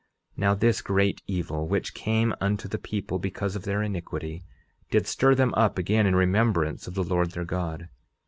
11:34 Now this great evil, which came unto the people because of their iniquity, did stir them up again in remembrance of the Lord their God.